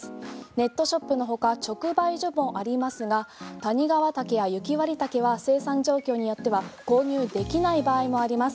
ネットショップのほか直売所もありますが谷川茸や雪割茸は生産状況によっては購入できない場合もあります。